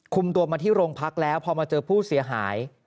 ตัวมาที่โรงพักแล้วพอมาเจอผู้เสียหาย